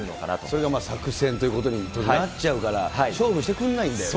それが作戦ということになっちゃうから、勝負してくんないんだよね。